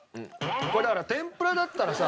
これだから天ぷらだったらさ。